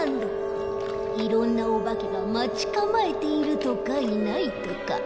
いろんなおばけがまちかまえているとかいないとか。